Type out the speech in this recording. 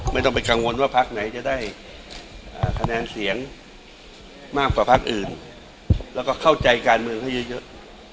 ไม่ต้องไปกังวลว่าพักไหนจะได้คะแนนเสียงมากกว่าพักอื่นแล้วก็เข้าใจการเมืองให้เยอะ